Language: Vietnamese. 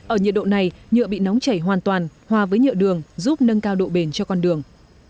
ở nhiệt độ này nhựa bị nóng chảy hoàn toàn hòa với nhựa đường giúp nâng cao độ bền cho con đường